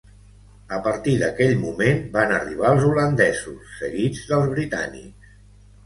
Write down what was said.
A partir d'aquell moment van arribar els holandesos, seguits dels britànics.